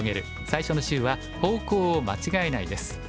最初の週は「方向を間違えない」です。